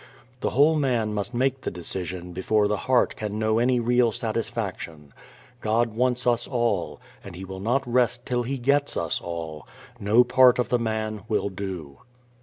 The whole man must make the decision before the heart can know any real satisfaction. God wants us all, and He will not rest till He gets us all. No part of the man will do.